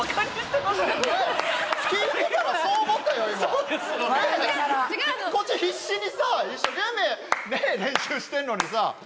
こっちは必死にさ一生懸命練習してんのにさ